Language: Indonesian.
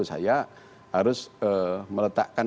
saya harus meletakkan